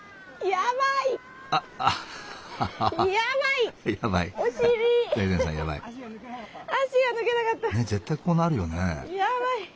やばい。